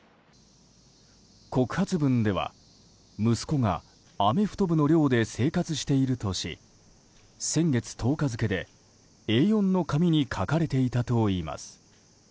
告発文では息子がアメフト部の寮で生活しているとし先月１０日付で、Ａ４の紙に書かれていたといいます。